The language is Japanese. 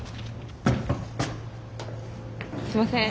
すいません。